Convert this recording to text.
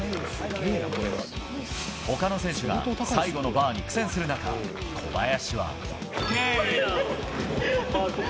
ほかの選手が最後のバーに苦戦する中、小林は。